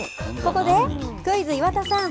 ここでクイズ、岩田さん。